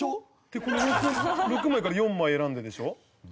この６枚から４枚選んででしょ？